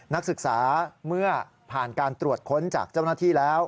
นักศึกษาเมื่อผ่านการตรวจค้นจากเจ้าหน้าที่แล้ว